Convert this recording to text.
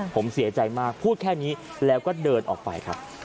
ผมเสียใจมากพูดแค่นี้แล้วก็เดินออกไปครับ